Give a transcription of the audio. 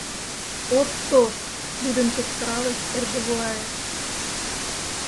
— От тошт! — лӱдын кычкыралеш Эргуваев.